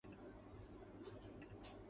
سنجے دت کی ماں بننے پرمنیشا کوئرالا خوش